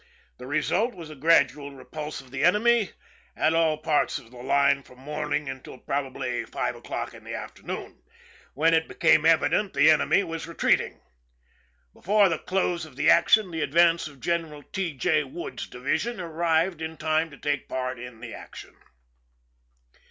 The result was a gradual repulse of the enemy at all parts of the line from morning until probably 5 o'clock in the afternoon, when it became evident that the enemy was retreating. Before the close of the action the advance of General T. J. Wood's division arrived in time to take part in the action.